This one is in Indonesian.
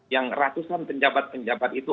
yang ratusan penjabat penjabat itu